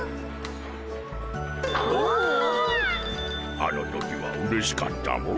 あの時はうれしかったモ。